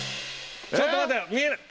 ちょっと待って見えない。